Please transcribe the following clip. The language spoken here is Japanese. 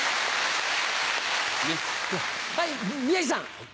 はい宮治さん。